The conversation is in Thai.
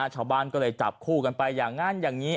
ชาวบ้านก็เลยจับคู่กันไปอย่างนั้นอย่างนี้